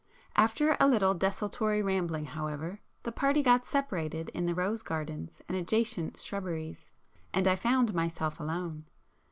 After a little desultory rambling however, the party got separated in the rose gardens and adjacent shrubberies, and I found myself alone.